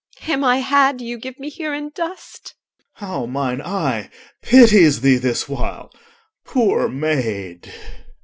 Him I had, you give me here in dust. OR. How mine eye pities thee this while, poor maid!